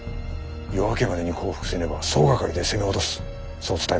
夜明けまでに降伏せねば総掛かりで攻め落とすそう伝えます。